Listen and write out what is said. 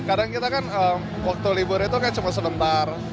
kadang kita kan waktu libur itu kan cuma sebentar